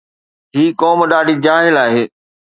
هي قوم ڏاڍي جاهل آهي